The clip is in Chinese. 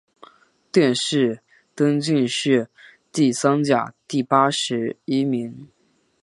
殿试登进士第三甲第八十一名。